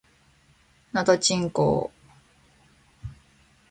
のどちんこぉ